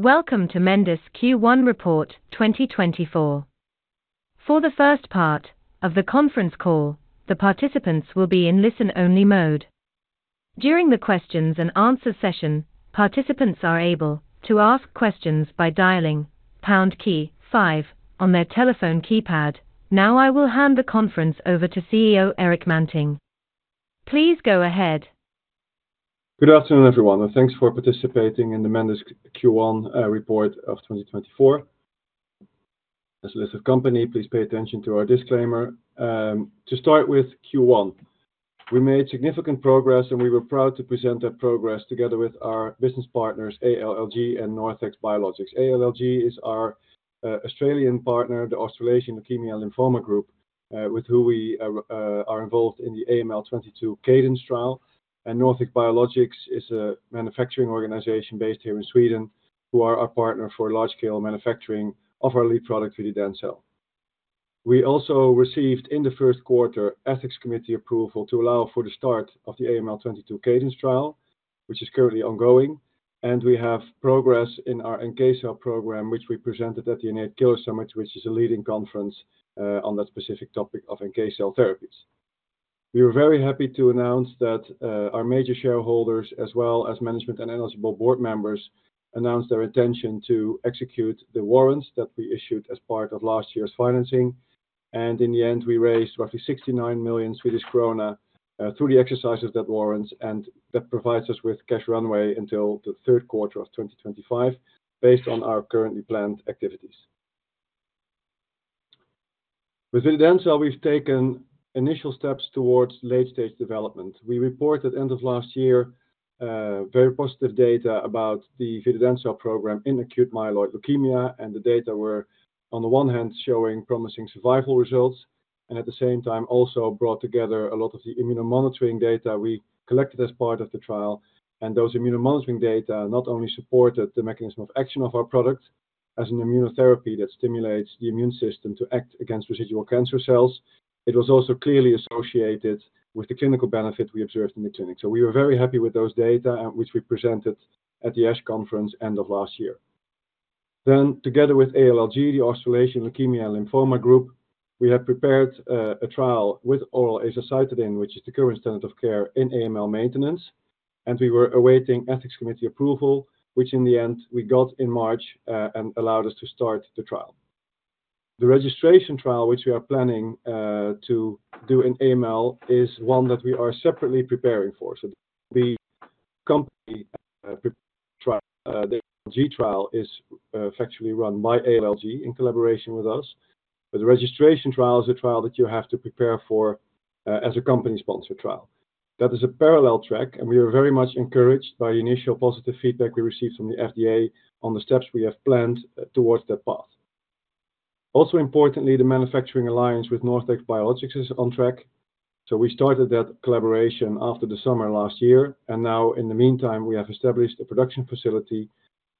Welcome to Mendus Q1 report 2024. For the first part of the conference call, the participants will be in listen-only mode. During the questions and answer session, participants are able to ask questions by dialing pound key five on their telephone keypad. Now, I will hand the conference over to CEO, Erik Manting. Please go ahead. Good afternoon, everyone, and thanks for participating in the Mendus Q1 report of 2024. As a listed company, please pay attention to our disclaimer. To start with Q1, we made significant progress, and we were proud to present that progress together with our business partners, ALLG and NorthX Biologics. ALLG is our Australian partner, the Australasian Leukaemia and Lymphoma Group, with who we are involved in the AML22 CADENCE trial, and NorthX Biologics is a manufacturing organization based here in Sweden, who are our partner for large-scale manufacturing of our lead product, Vididencel. We also received, in the first quarter, ethics committee approval to allow for the start of the AML22 CADENCE trial, which is currently ongoing, and we have progress in our NK cell program, which we presented at the Innate Killer Summit, which is a leading conference on that specific topic of NK cell therapies. We were very happy to announce that our major shareholders, as well as management and eligible board members, announced their intention to execute the warrants that we issued as part of last year's financing. In the end, we raised roughly 69 million Swedish krona through the exercises that warrants, and that provides us with cash runway until the third quarter of 2025, based on our currently planned activities. With Vididencel, we've taken initial steps towards late-stage development. We reported end of last year, very positive data about the Vididencel program in acute myeloid leukemia, and the data were, on the one hand, showing promising survival results, and at the same time, also brought together a lot of the immunomonitoring data we collected as part of the trial. Those immunomonitoring data not only supported the mechanism of action of our product as an immunotherapy that stimulates the immune system to act against residual cancer cells, it was also clearly associated with the clinical benefit we observed in the clinic. We were very happy with those data, which we presented at the ASH conference end of last year. Then, together with ALLG, the Australasian Leukaemia and Lymphoma Group, we have prepared a trial with oral azacitidine, which is the current standard of care in AML maintenance, and we were awaiting ethics committee approval, which in the end, we got in March and allowed us to start the trial. The registration trial, which we are planning to do in AML, is one that we are separately preparing for. So the company prep trial, the ALLG trial is factually run by ALLG in collaboration with us. But the registration trial is a trial that you have to prepare for as a company-sponsored trial. That is a parallel track, and we are very much encouraged by the initial positive feedback we received from the FDA on the steps we have planned towards that path. Also importantly, the manufacturing alliance with NorthX Biologics is on track. So we started that collaboration after the summer last year, and now in the meantime, we have established a production facility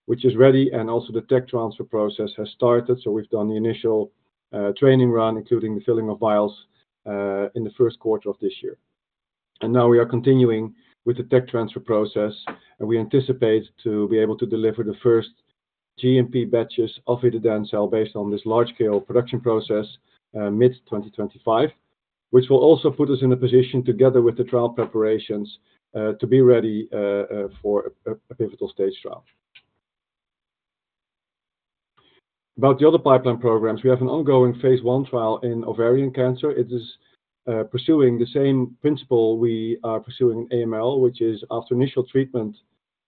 which is ready, and also the tech transfer process has started. So we've done the initial, training run, including the filling of vials, in the first quarter of this year. And now we are continuing with the tech transfer process, and we anticipate to be able to deliver the first GMP batches of Vididencel based on this large-scale production process, mid-2025, which will also put us in a position together with the trial preparations, to be ready, for a pivotal stage trial. About the other pipeline programs, we have an ongoing phase I trial in ovarian cancer. It is pursuing the same principle we are pursuing in AML, which is after initial treatment,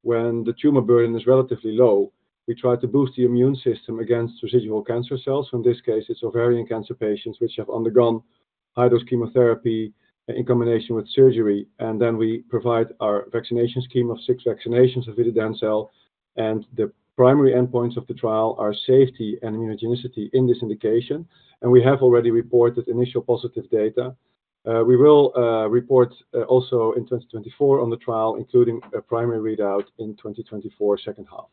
when the tumor burden is relatively low, we try to boost the immune system against residual cancer cells. In this case, it's ovarian cancer patients, which have undergone high-dose chemotherapy in combination with surgery, and then we provide our vaccination scheme of six vaccinations of Vididencel, and the primary endpoints of the trial are safety and immunogenicity in this indication, and we have already reported initial positive data. We will report also in 2024 on the trial, including a primary readout in 2024, second half.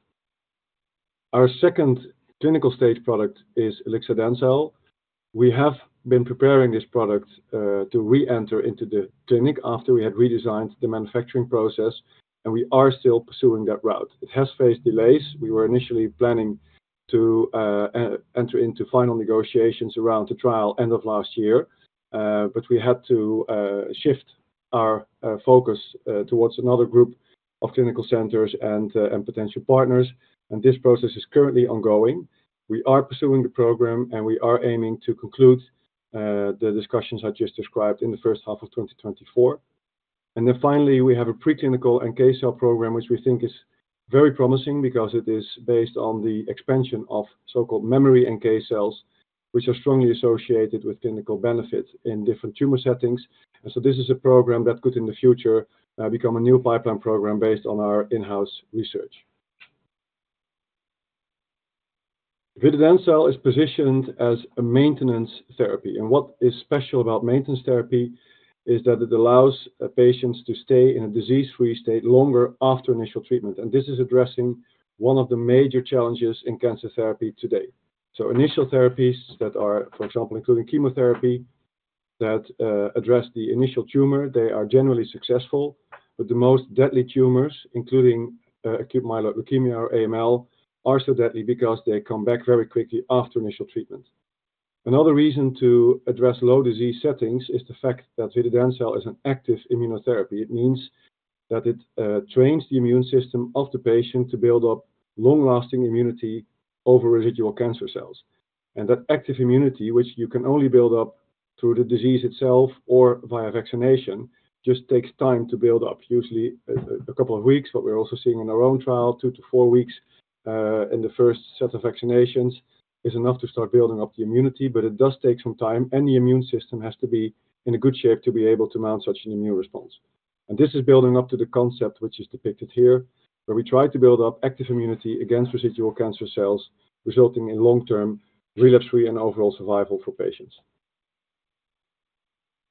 Our second clinical stage product is ilixadencel. We have been preparing this product to reenter into the clinic after we had redesigned the manufacturing process, and we are still pursuing that route. It has faced delays. We were initially planning to enter into final negotiations around the trial end of last year, but we had to shift our focus towards another group of clinical centers and potential partners, and this process is currently ongoing. We are pursuing the program, and we are aiming to conclude the discussions I just described in the first half of 2024. Then finally, we have a preclinical NK cell program, which we think is very promising because it is based on the expansion of so-called memory NK cells, which are strongly associated with clinical benefit in different tumor settings. So this is a program that could, in the future, become a new pipeline program based on our in-house research. Vididencel is positioned as a maintenance therapy, and what is special about maintenance therapy is that it allows patients to stay in a disease-free state longer after initial treatment, and this is addressing one of the major challenges in cancer therapy today. So initial therapies that are, for example, including chemotherapy that address the initial tumor, they are generally successful, but the most deadly tumors, including acute myeloid leukemia or AML, are so deadly because they come back very quickly after initial treatment. Another reason to address low disease settings is the fact that Vididencel is an active immunotherapy. It means that it trains the immune system of the patient to build up long-lasting immunity over residual cancer cells. And that active immunity, which you can only build up through the disease itself or via vaccination, just takes time to build up. Usually, a couple of weeks, but we're also seeing in our own trial, two to four weeks, in the first set of vaccinations, is enough to start building up the immunity, but it does take some time, and the immune system has to be in a good shape to be able to mount such an immune response. And this is building up to the concept which is depicted here, where we try to build up active immunity against residual cancer cells, resulting in long-term relapse-free and overall survival for patients.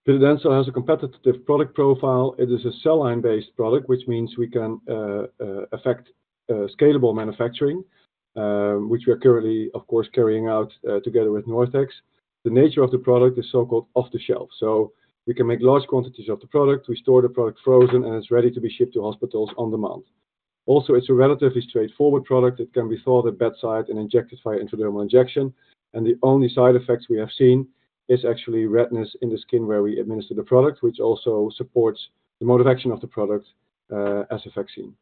Vididencel has a competitive product profile. It is a cell line-based product, which means we can effect scalable manufacturing, which we are currently, of course, carrying out, together with NorthX. The nature of the product is so-called off-the-shelf, so we can make large quantities of the product. We store the product frozen, and it's ready to be shipped to hospitals on-demand. Also, it's a relatively straightforward product. It can be thawed at bedside and injected via intradermal injection, and the only side effects we have seen is actually redness in the skin where we administer the product, as a vaccine.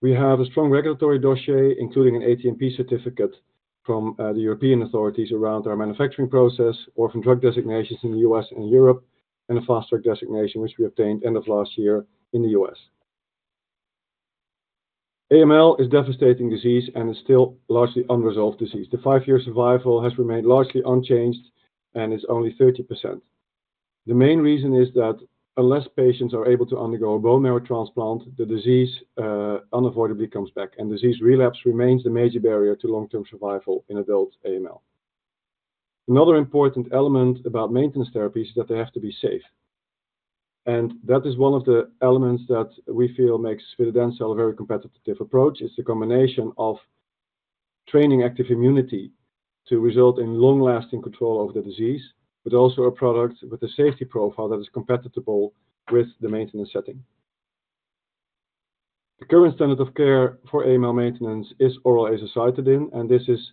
We have a strong regulatory dossier, including an ATMP certificate from the European authorities around our manufacturing process, Orphan Drug Designations in the U.S. and Europe, and a Fast Track Designation, which we obtained end of last year in the U.S. AML is devastating disease and is still largely unresolved disease. The five-year survival has remained largely unchanged and is only 30%. The main reason is that unless patients are able to undergo a bone marrow transplant, the disease, unavoidably comes back, and disease relapse remains the major barrier to long-term survival in adult AML. Another important element about maintenance therapy is that they have to be safe. That is one of the elements that we feel makes Vididencel a very competitive approach. It's a combination of training active immunity to result in long-lasting control of the disease, but also a product with a safety profile that is compatible with the maintenance setting. The current standard of care for AML maintenance is oral azacitidine, and this is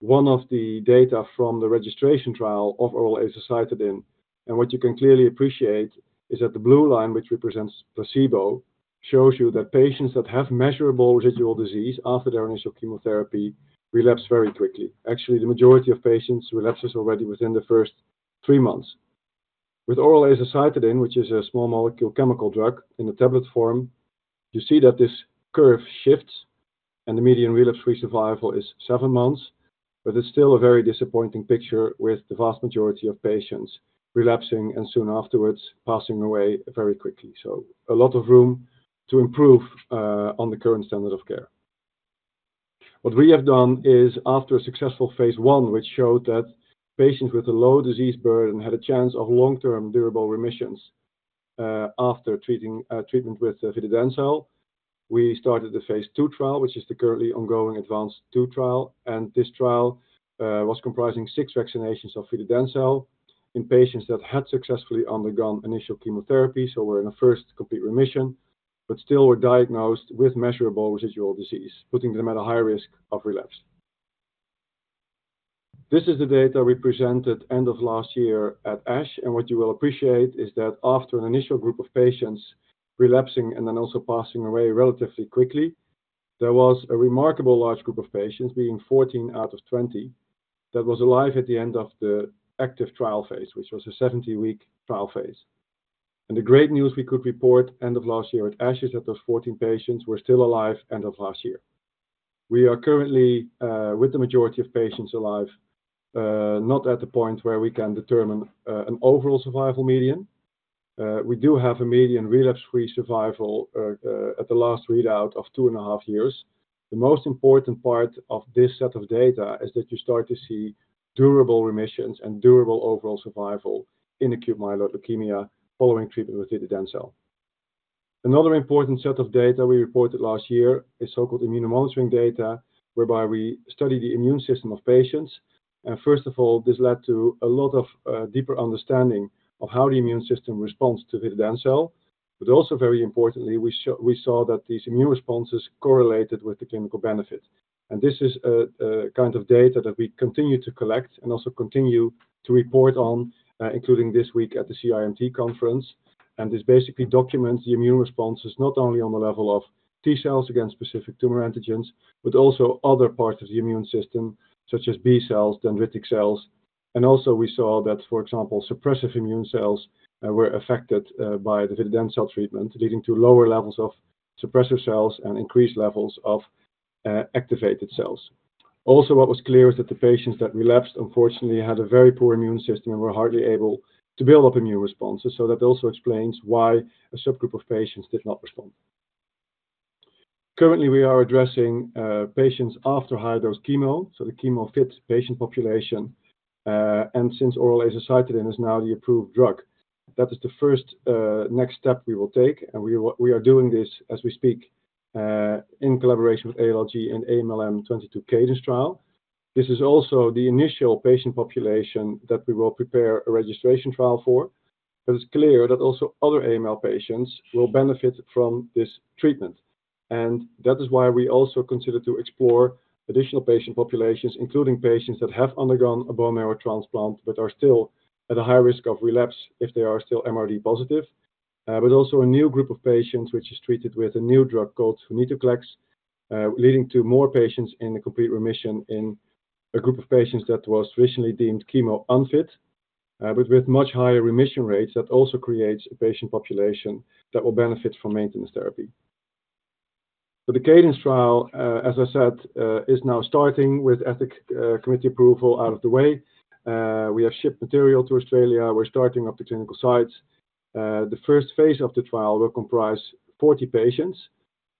one of the data from the registration trial of oral azacitidine. What you can clearly appreciate is that the blue line, which represents placebo, shows you that patients that have measurable residual disease after their initial chemotherapy relapse very quickly. Actually, the majority of patients relapses already within the first three months. With oral azacitidine, which is a small molecule chemical drug in a tablet form, you see that this curve shifts and the median relapse-free survival is seven months, but it's still a very disappointing picture with the vast majority of patients relapsing and soon afterwards passing away very quickly. So a lot of room to improve, on the current standard of care. What we have done is after a successful phase I, which showed that patients with a low disease burden had a chance of long-term durable remissions, after treatment with Vididencel, we started the phase II trial, which is the currently ongoing ADVANCE II trial, and this trial was comprising six vaccinations of Vididencel in patients that had successfully undergone initial chemotherapy, so were in a first complete remission, but still were diagnosed with measurable residual disease, putting them at a high risk of relapse. This is the data we presented end of last year at ASH, and what you will appreciate is that after an initial group of patients relapsing and then also passing away relatively quickly, there was a remarkable large group of patients, being 14 out of 20, that was alive at the end of the active trial phase, which was a 70-week trial phase. And the great news we could report end of last year at ASH is that those 14 patients were still alive end of last year. We are currently, with the majority of patients alive, not at the point where we can determine, an overall survival median. We do have a median relapse-free survival, at the last readout, of 2.5 years. The most important part of this set of data is that you start to see durable remissions and durable overall survival in acute myeloid leukemia following treatment with Vididencel. Another important set of data we reported last year is so-called immunomonitoring data, whereby we study the immune system of patients. And first of all, this led to a lot of deeper understanding of how the immune system responds to Vididencel. But also, very importantly, we saw, we saw that these immune responses correlated with the clinical benefit. And this is a kind of data that we continue to collect and also continue to report on, including this week at the CIMT conference, and this basically documents the immune responses, not only on the level of T cells against specific tumor antigens, but also other parts of the immune system, such as B cells, dendritic cells. Also we saw that, for example, suppressive immune cells were affected by the Vididencel treatment, leading to lower levels of suppressor cells and increased levels of activated cells. Also, what was clear is that the patients that relapsed unfortunately had a very poor immune system and were hardly able to build up immune responses, so that also explains why a subgroup of patients did not respond. Currently, we are addressing patients after high-dose chemo, so the chemo-fit patient population, and since oral azacitidine is now the approved drug. That is the first next step we will take, and we are doing this as we speak, in collaboration with ALLG and AML22 CADENCE trial. This is also the initial patient population that we will prepare a registration trial for, but it's clear that also other AML patients will benefit from this treatment. And that is why we also consider to explore additional patient populations, including patients that have undergone a bone marrow transplant, but are still at a high risk of relapse if they are still MRD positive. But also a new group of patients, which is treated with a new drug called venetoclax, leading to more patients in a complete remission in a group of patients that was traditionally deemed chemo unfit, but with much higher remission rates, that also creates a patient population that will benefit from maintenance therapy. But the CADENCE trial, as I said, is now starting with ethics committee approval out of the way. We have shipped material to Australia. We're starting up the clinical sites. The first phase of the trial will comprise 40 patients,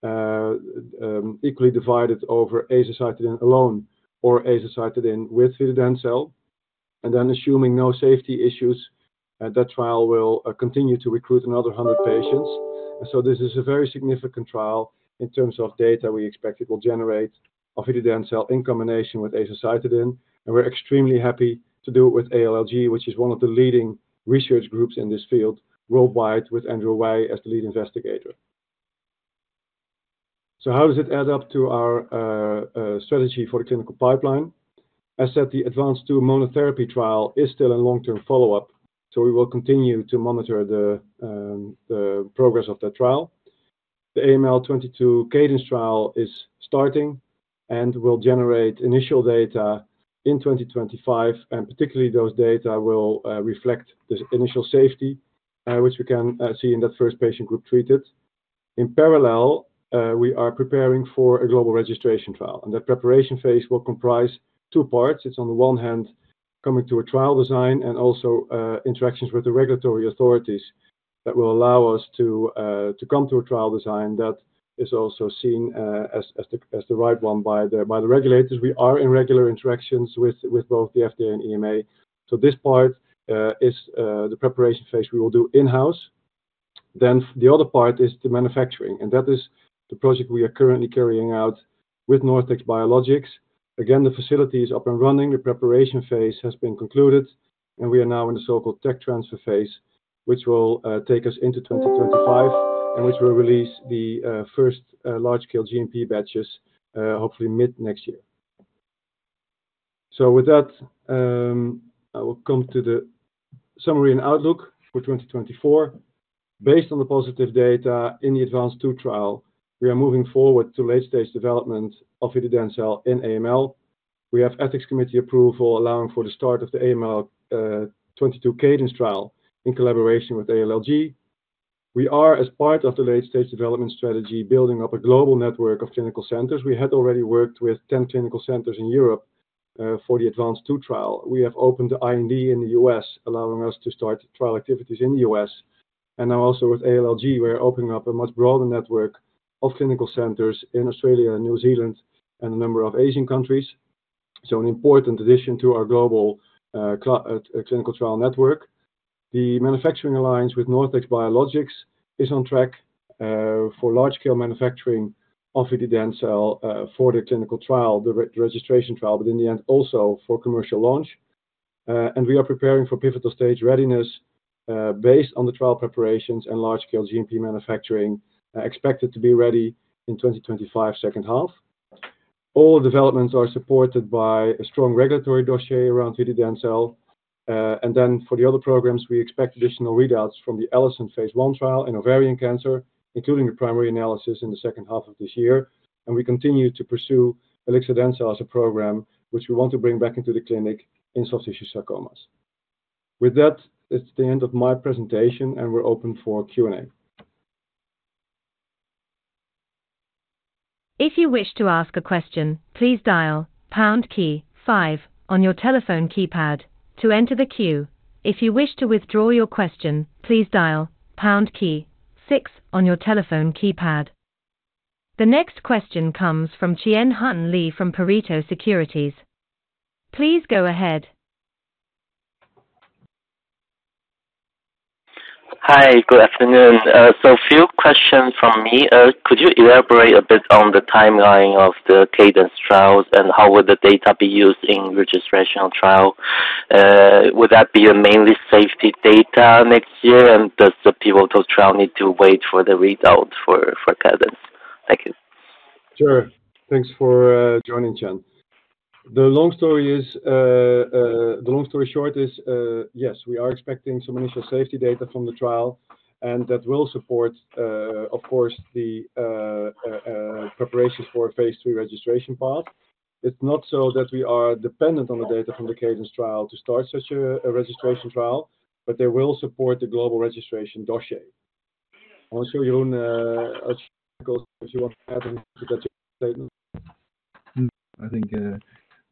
equally divided over azacitidine alone or azacitidine with Vididencel. And then, assuming no safety issues, that trial will continue to recruit another 100 patients. And so this is a very significant trial in terms of data we expect it will generate of Vididencel in combination with azacitidine, and we're extremely happy to do it with ALLG, which is one of the leading research groups in this field worldwide, with Andrew Wei as the lead investigator. So how does it add up to our strategy for the clinical pipeline? I said the ADVANCE II monotherapy trial is still a long-term follow-up, so we will continue to monitor the progress of that trial. The AML22 CADENCE trial is starting and will generate initial data in 2025, and particularly those data will reflect the initial safety, which we can see in that first patient group treated. In parallel, we are preparing for a global registration trial, and that preparation phase will comprise two parts. It's on the one hand, coming to a trial design and also interactions with the regulatory authorities that will allow us to come to a trial design that is also seen as the right one by the regulators. We are in regular interactions with both the FDA and EMA. So this part is the preparation phase we will do in-house. Then the other part is the manufacturing, and that is the project we are currently carrying out with NorthX Biologics. Again, the facility is up and running, the preparation phase has been concluded, and we are now in the so-called tech transfer phase, which will take us into 2025, and which will release the first large-scale GMP batches, hopefully mid-next year. So with that, I will come to the summary and outlook for 2024. Based on the positive data in the ADVANCE II trial, we are moving forward to late-stage development of Vididencel in AML. We have ethics committee approval, allowing for the start of the AML22 CADENCE trial in collaboration with ALLG. We are, as part of the late-stage development strategy, building up a global network of clinical centers. We had already worked with 10 clinical centers in Europe for the ADVANCE II trial. We have opened the IND in the U.S., allowing us to start trial activities in the U.S., and now also with ALLG, we are opening up a much broader network of clinical centers in Australia and New Zealand and a number of Asian countries. So an important addition to our global, clinical trial network. The manufacturing alliance with NorthX Biologics is on track, for large-scale manufacturing of Vididencel, for the clinical trial, the re-registration trial, but in the end, also for commercial launch. And we are preparing for pivotal stage readiness, based on the trial preparations and large-scale GMP manufacturing, expected to be ready in 2025, second half. All developments are supported by a strong regulatory dossier around Vididencel. And then for the other programs, we expect additional readouts from the ALISON phase I trial in ovarian cancer, including the primary analysis in the second half of this year. We continue to pursue ilixadencel as a program, which we want to bring back into the clinic in soft tissue sarcomas. With that, it's the end of my presentation, and we're open for Q&A. If you wish to ask a question, please dial pound key five on your telephone keypad to enter the queue. If you wish to withdraw your question, please dial pound key six on your telephone keypad. The next question comes from Chien-Hsun Lee from Pareto Securities. Please go ahead. Hi, good afternoon. So a few questions from me. Could you elaborate a bit on the timeline of the CADENCE trials and how would the data be used in registrational trial? Would that be mainly safety data next year, and does the people of those trial need to wait for the result for CADENCE? Thank you. Sure. Thanks for joining, Chien. The long story short is, yes, we are expecting some initial safety data from the trial, and that will support, of course, the preparation for a phase II registration path. It's not so that we are dependent on the data from the CADENCE trial to start such a registration trial, but they will support the global registration dossier. I want to show you on as you want to add to that statement. I think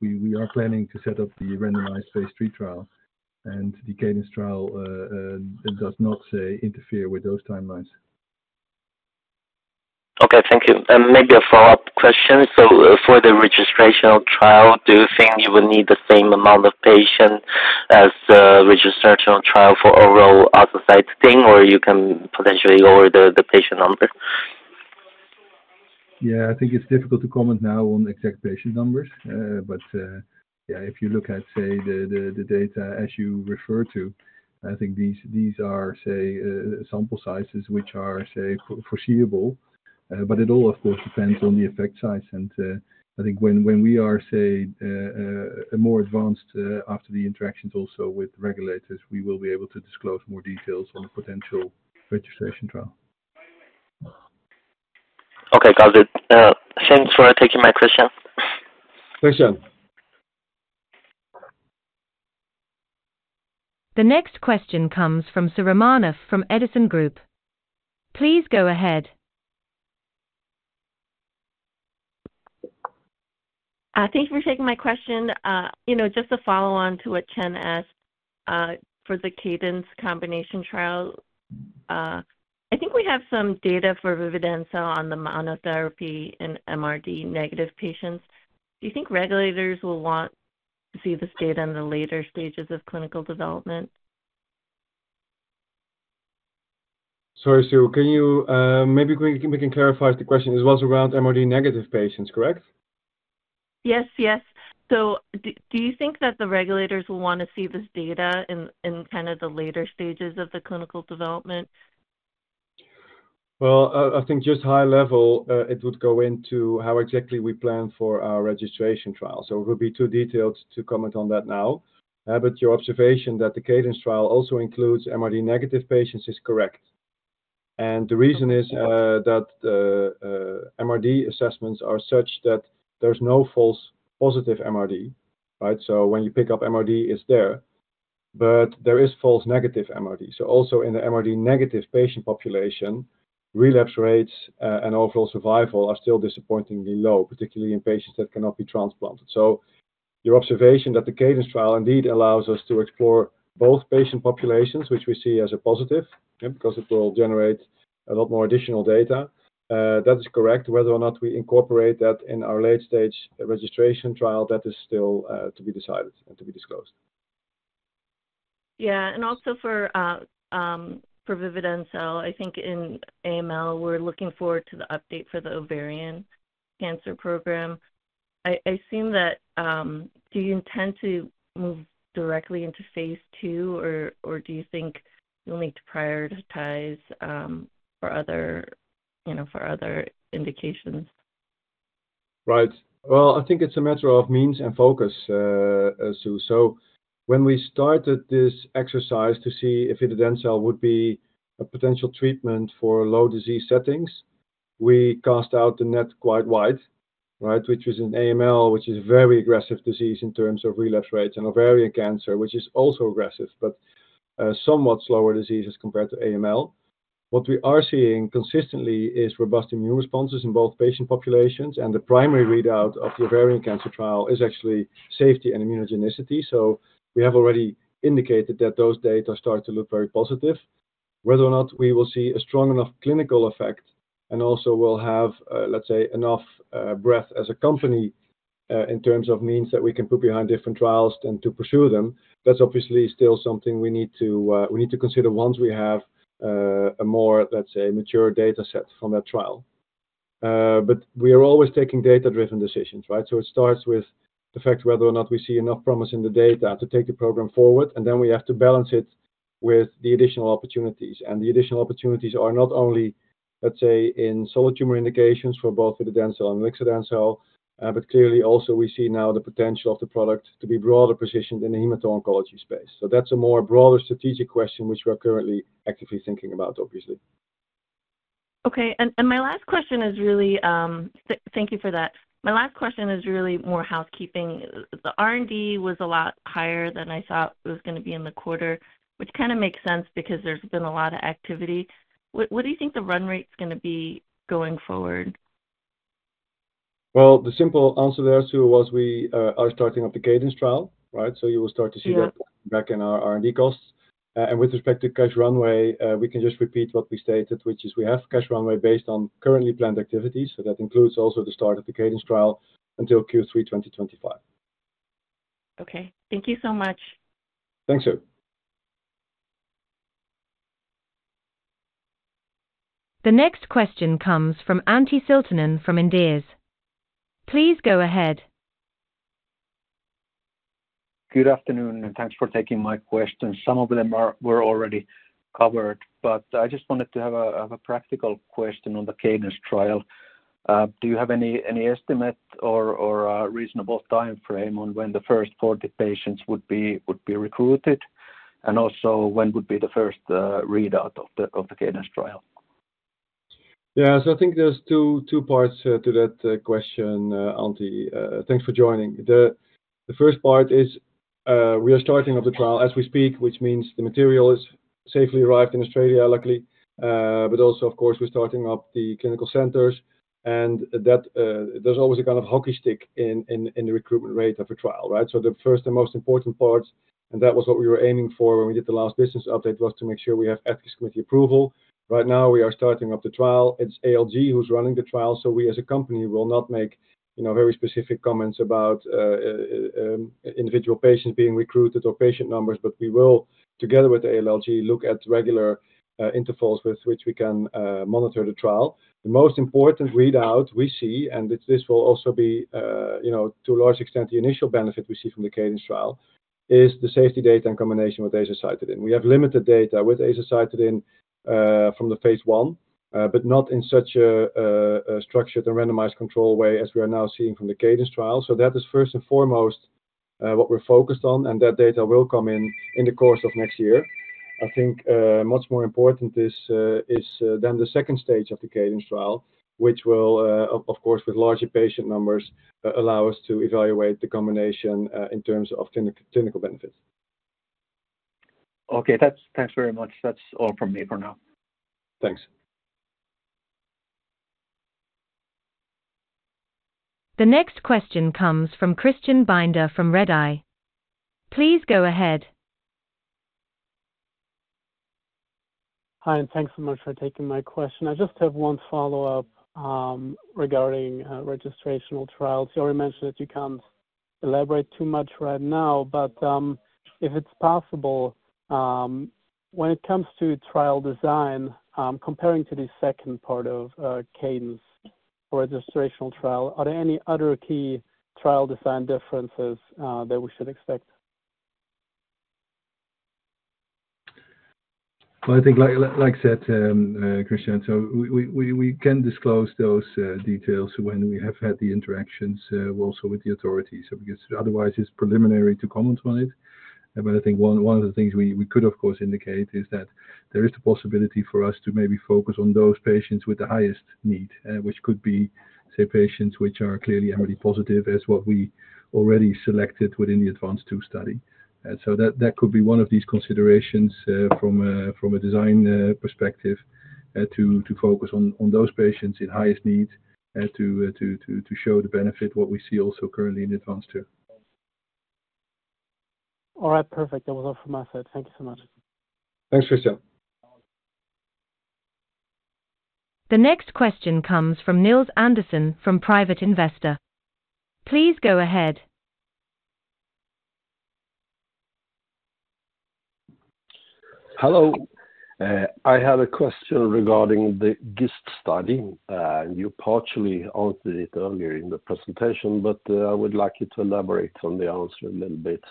we are planning to set up the randomized phase III trial, and the CADENCE trial, it does not say interfere with those timelines. Okay, thank you. And maybe a follow-up question. So for the registrational trial, do you think you would need the same amount of patient as registrational trial for overall survival, or you can potentially lower the patient number? Yeah, I think it's difficult to comment now on exact patient numbers. But yeah, if you look at, say, the data as you refer to, I think these are, say, sample sizes, which are, say, foreseeable. But it all, of course, depends on the effect size. I think when we are, say, more advanced, after the interactions also with regulators, we will be able to disclose more details on the potential registration trial. Okay, got it. Thanks for taking my question. Thanks, Chien. The next question comes from Soo Romanoff from Edison Group. Please go ahead. Thank you for taking my question. You know, just to follow on to what Chien-Hsun asked, for the CADENCE combination trial. I think we have some data for Vididencel on the monotherapy in MRD negative patients. Do you think regulators will want to see this data in the later stages of clinical development? Sorry, Soo, can you, maybe we can, we can clarify the question. It was around MRD negative patients, correct? Yes, yes. So do you think that the regulators will want to see this data in kind of the later stages of the clinical development? Well, I think just high level, it would go into how exactly we plan for our registration trial, so it would be too detailed to comment on that now. But your observation that the CADENCE trial also includes MRD negative patients is correct. And the reason is, that the MRD assessments are such that there's no false positive MRD, right? So when you pick up MRD, it's there, but there is false negative MRD. So also in the MRD negative patient population, relapse rates and overall survival are still disappointingly low, particularly in patients that cannot be transplanted. So your observation that the CADENCE trial indeed allows us to explore both patient populations, which we see as a positive, because it will generate a lot more additional data, that is correct. Whether or not we incorporate that in our late-stage registration trial, that is still to be decided and to be disclosed. Yeah, and also for Vididencel, I think in AML, we're looking forward to the update for the ovarian cancer program. I assume that do you intend to move directly into phase II, or do you think you'll need to prioritize for other, you know, for other indications? Right. Well, I think it's a matter of means and focus, Soo. So when we started this exercise to see if Vididencel would be a potential treatment for low disease settings, we cast out the net quite wide, right? Which is in AML, which is a very aggressive disease in terms of relapse rates and ovarian cancer, which is also aggressive, but, somewhat slower diseases compared to AML. What we are seeing consistently is robust immune responses in both patient populations, and the primary readout of the ovarian cancer trial is actually safety and immunogenicity. So we have already indicated that those data start to look very positive. Whether or not we will see a strong enough clinical effect and also will have, let's say, enough, breadth as a company, in terms of means that we can put behind different trials and to pursue them, that's obviously still something we need to, we need to consider once we have, a more, let's say, mature data set from that trial. But we are always taking data-driven decisions, right? So it starts with the fact whether or not we see enough promise in the data to take the program forward, and then we have to balance it with the additional opportunities. And the additional opportunities are not only, let's say, in solid tumor indications for both Vididencel and ilixadencel, but clearly also we see now the potential of the product to be broader positioned in the hemato-oncology space. That's a more broader strategic question, which we're currently actively thinking about, obviously. Okay. And my last question is really... thank you for that. My last question is really more housekeeping. The R&D was a lot higher than I thought it was gonna be in the quarter, which kind of makes sense because there's been a lot of activity. What do you think the run rate is gonna be going forward? Well, the simple answer there, Soo, was we are starting up the CADENCE trial, right? So you will start to see that- Yeah back in our R&D costs. With respect to cash runway, we can just repeat what we stated, which is we have cash runway based on currently planned activities, so that includes also the start of the CADENCE trial until Q3-2025. Okay. Thank you so much. Thanks, Soo. The next question comes from Antti Siltanen from Inderes. Please go ahead. Good afternoon, and thanks for taking my questions. Some of them are, were already covered, but I just wanted to have a practical question on the CADENCE trial. Do you have any estimate or a reasonable timeframe on when the first 40 patients would be recruited? And also, when would be the first readout of the CADENCE trial? Yeah, so I think there's two, two parts to that question, Antti. Thanks for joining. The first part is we are starting up the trial as we speak, which means the material has safely arrived in Australia, luckily. But also, of course, we're starting up the clinical centers. And that there's always a kind of hockey stick in the recruitment rate of a trial, right? So the first and most important part, and that was what we were aiming for when we did the last business update, was to make sure we have ethics committee approval. Right now, we are starting up the trial. It's ALLG who's running the trial, so we as a company will not make, you know, very specific comments about individual patients being recruited or patient numbers. But we will, together with the ALLG, look at regular intervals with which we can monitor the trial. The most important readout we see, and this will also be, you know, to a large extent, the initial benefit we see from the CADENCE trial, is the safety data in combination with azacitidine. We have limited data with azacitidine from the phase I, but not in such a structured and randomized controlled way as we are now seeing from the CADENCE trial. So that is first and foremost what we're focused on, and that data will come in in the course of next year. I think, much more important is then the second stage of the CADENCE trial, which will, of course, with larger patient numbers, allow us to evaluate the combination in terms of clinical benefits. Okay, that's... thanks very much. That's all from me for now. Thanks. The next question comes from Christian Binder from Redeye. Please go ahead. Hi, and thanks so much for taking my question. I just have one follow-up, regarding, registrational trials. You already mentioned that you can't elaborate too much right now, but, if it's possible, when it comes to trial design, comparing to the second part of, CADENCE for registrational trial, are there any other key trial design differences, that we should expect? Well, I think, like, like I said, Christian, so we can disclose those details when we have had the interactions also with the authorities, because otherwise, it's preliminary to comment on it. But I think one of the things we could, of course, indicate is that there is the possibility for us to maybe focus on those patients with the highest need, which could be, say, patients which are clearly MRD positive, as what we already selected within the ADVANCE II study. So that could be one of these considerations from a design perspective to focus on those patients in highest need and to show the benefit what we see also currently in ADVANCE II. All right, perfect. That was all from my side. Thank you so much. Thanks, Christian. The next question comes from Nils Andersson from Private Investor. Please go ahead. Hello. I have a question regarding the GIST study. You partially answered it earlier in the presentation, but, I would like you to elaborate on the answer a little bit.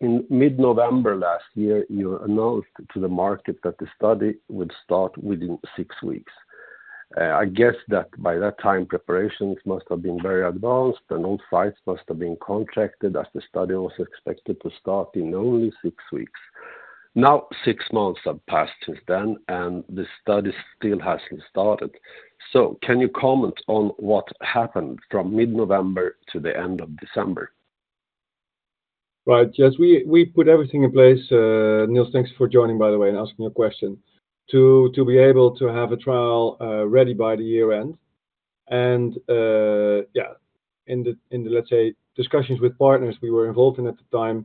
In mid-November last year, you announced to the market that the study would start within six weeks. I guess that by that time, preparations must have been very advanced, and all sites must have been contracted as the study was expected to start in only six weeks. Now, six months have passed since then, and the study still hasn't started. So can you comment on what happened from mid-November to the end of December? Right. Yes, we put everything in place. Nils, thanks for joining, by the way, and asking your question. To be able to have a trial ready by the year end. And, in the discussions with partners we were involved in at the time,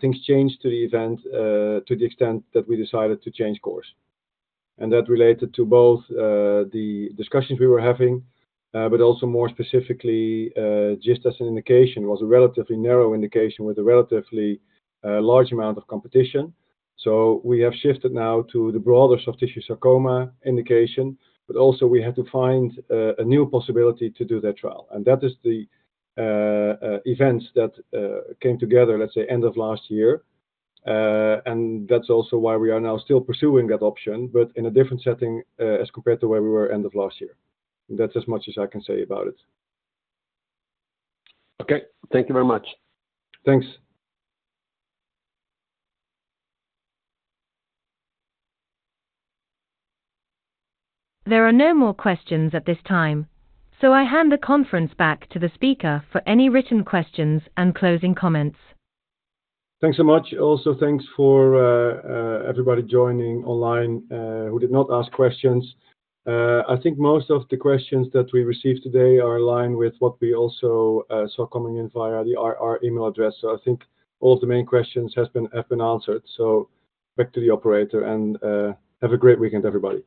things changed to the extent that we decided to change course. And that related to both the discussions we were having, but also more specifically, just as an indication, was a relatively narrow indication with a relatively large amount of competition. So we have shifted now to the broader soft tissue sarcoma indication, but also we had to find a new possibility to do that trial. And that is the events that came together, let's say, end of last year. That's also why we are now still pursuing that option, but in a different setting, as compared to where we were end of last year. That's as much as I can say about it. Okay. Thank you very much. Thanks. There are no more questions at this time, so I hand the conference back to the speaker for any written questions and closing comments. Thanks so much. Also, thanks for everybody joining online who did not ask questions. I think most of the questions that we received today are in line with what we also saw coming in via the IR email address. So I think all the main questions has been- have been answered. So back to the operator, and have a great weekend, everybody.